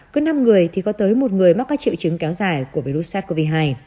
cứ năm người thì có tới một người mắc các triệu chứng kéo dài của virus sars cov hai